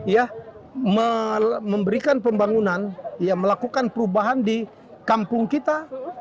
ya memberikan pembangunan melakukan perubahan di kampung kita